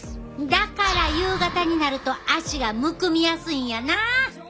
だから夕方になると足がむくみやすいんやな。